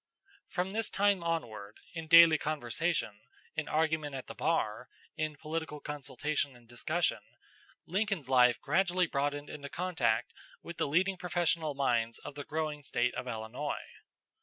From this time onward, in daily conversation, in argument at the bar, in political consultation and discussion, Lincoln's life gradually broadened into contact with the leading professional minds of the growing State of Illinois.